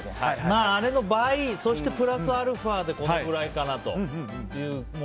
あれの倍そしてプラスアルファでこのぐらいかなという。